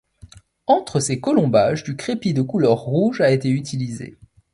Entre ces colombages, du crépi de couleur rouge a été utilisé.